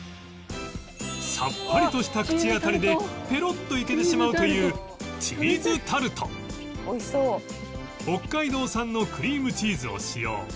さっぱりとした口当たりでペロッといけてしまうという北海道産のクリームチーズを使用